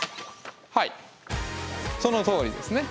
はいそのとおりですね。